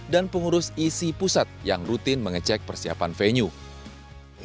dan pengurus isi pusat yang rutin mengecek persiapan venue